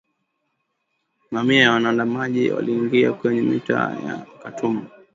Mamia ya waandamanaji waliingia kwenye mitaa ya Khartoum